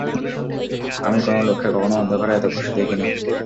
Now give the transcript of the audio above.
আমি কোনো লোককে কখনো অন্ধকারে এতো খুশি দেখিনি।